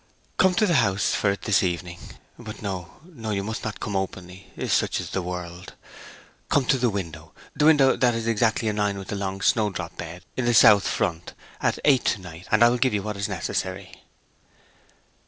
Come to the house for it this evening. But no, no you must not come openly; such is the world. Come to the window the window that is exactly in a line with the long snowdrop bed, in the south front at eight to night, and I will give you what is necessary.'